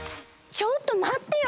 ちょっとまってよ